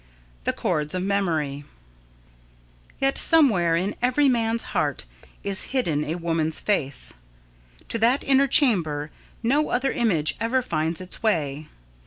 [Sidenote: The Cords of Memory] Yet somewhere, in every man's heart, is hidden a woman's face. To that inner chamber no other image ever finds its way.